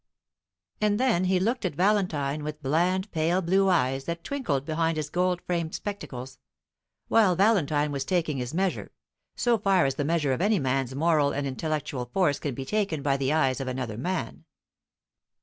And then he looked at Valentine with bland pale blue eyes that twinkled behind his gold framed spectacles; while Valentine was taking his measure, so far as the measure of any man's moral and intellectual force can be taken by the eyes of another man.